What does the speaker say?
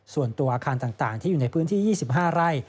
ส่วนตัวอาคารต่างที่อยู่ในพื้นที่๒๕ไร่